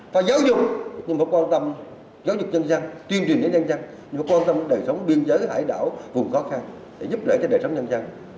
phải giáo dục nhưng không quan tâm giáo dục dân dân tuyên truyền đến dân dân nhưng không quan tâm đời sống biên giới hải đảo vùng khó khăn để giúp đỡ cho đời sống dân dân